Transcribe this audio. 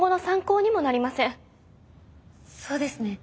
そうですね。